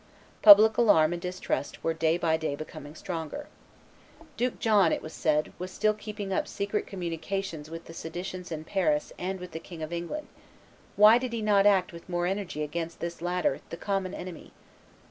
Public alarm and distrust were day by day becoming stronger. Duke John, it was said, was still keeping up secret communications with the seditious in Paris and with the King of England; why did he not act with more energy against this latter, the common enemy?